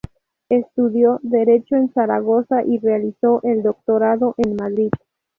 Estudió Derecho en Zaragoza y realizó el Doctorado en Madrid.